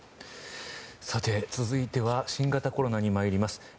続いては新型コロナにまいります。